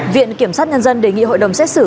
viện kiểm sát nhân dân đề nghị hội đồng xét xử